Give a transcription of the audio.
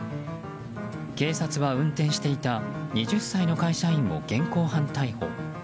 警察は運転していた２０歳の会社員を現行犯逮捕。